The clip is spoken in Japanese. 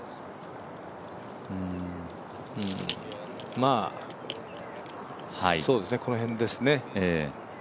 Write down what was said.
まあ、この辺ですね。